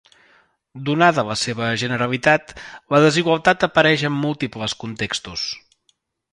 Donada la seva generalitat, la desigualtat apareix en múltiples contextos.